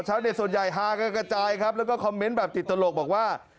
ส่วนใหญ่ฮากันกระจายครับแล้วก็คอมเมนต์แบบติดตลกบอกว่า